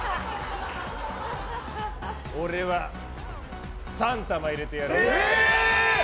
俺は、３玉入れてやろう。